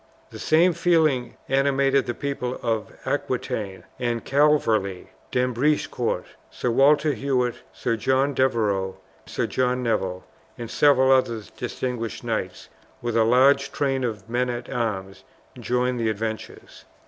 The same feeling animated the people of Aquitaine, and Calverley, D'Ambrecicourt, Sir Walter Hewitt, Sir John Devereux, Sir John Neville, and several other distinguished knights, with a large train of men at arms, joined the adventurers.